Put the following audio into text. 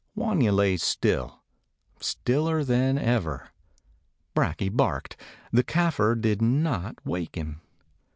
Wanya lay still; stiller than ever. Brakje barked. The Kafir did not waken.